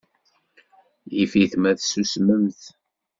Yif-it ma tsusmemt.